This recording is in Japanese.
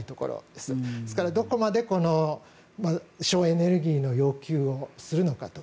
ですからどこまで省エネルギーの要求をするのかと。